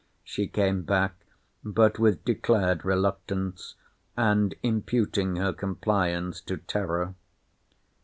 She came back—but with declared reluctance; and imputing her compliance to terror.